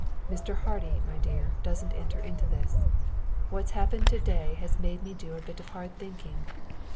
"Mr. Hardy, my dear, doesn't enter into this. What's happened to day has made me do a bit of hard thinking.